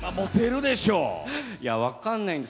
いや、分からないんです。